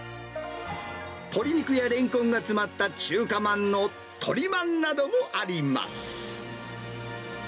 鶏肉やレンコンが詰まった中華まんの鶏まんなどもあります。